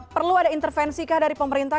perlu ada intervensi kah dari pemerintah